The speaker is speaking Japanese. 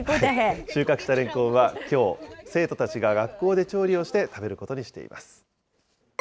収穫したレンコンは、きょう、生徒たちが学校で調理をして食べることにしています。